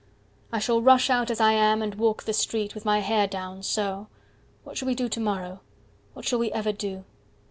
I shall rush out as I am, and walk the street With my hair down, so. What shall we do to morrow? What shall we ever do?"